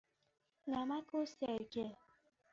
نمک و سرکه.